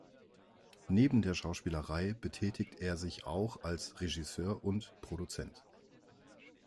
Neben der Schauspielerei betätigt er sich auch als Regisseur und Produzent.